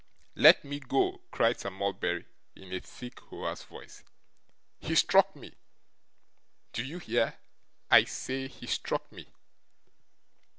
'Let me go!' cried Sir Mulberry, in a thick hoarse voice; 'he struck me! Do you hear? I say, he struck me.